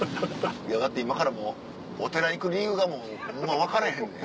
だって今からお寺行く理由がもうホンマ分からへんねん。